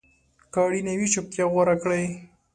که اړینه وي، چپتیا غوره کړئ.